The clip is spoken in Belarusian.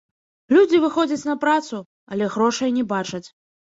Людзі выходзяць на працу, але грошай не бачаць.